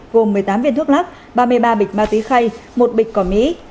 gồm một mươi tám viên thuốc lắc ba mươi ba bịch ma túy khay một bịch cỏ mỹ